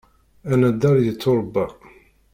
Anaddal yetturebba.